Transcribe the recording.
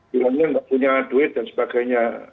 bilangnya tidak punya duit dan sebagainya